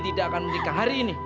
tidak akan menikah hari ini